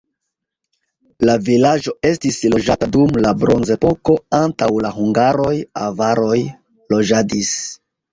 La vilaĝo estis loĝata dum la bronzepoko, antaŭ la hungaroj avaroj loĝadis.